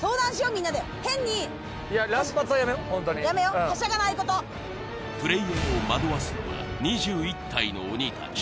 みんなで変にやめようプレイヤーを惑わすのは２１体の鬼たち